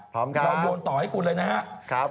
พร้อมครับเราโยนต่อให้คุณเลยนะครับ